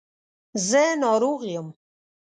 زه ناروغ یم